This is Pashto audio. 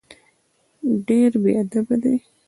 ډېر بېادبه دی.